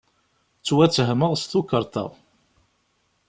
Ttwattehmeɣ s tukerḍa.